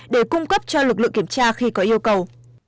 để cung cấp cho lực lượng kiểm tra khi có yêu cầu